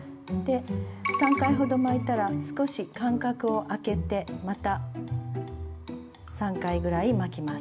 ３回ほど巻いたら少し間隔を空けてまた３回ぐらい巻きます。